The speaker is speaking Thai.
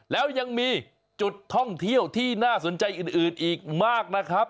แล้วยังมีจุดท่องเที่ยวที่น่าสนใจอื่นอีกมากนะครับ